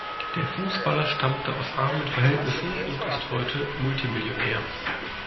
Der Fußballer stammte aus armen Verhältnissen und ist heute Multimillionär.